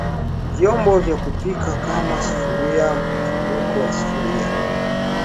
vyombo vya kupika kama Sufuria mfuniko wa sufuria